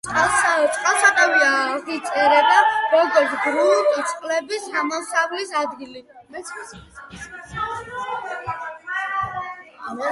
წყალსატევი აღიწერება, როგორც გრუნტის წყლების გამოსვლის ადგილი.